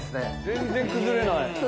全然崩れない。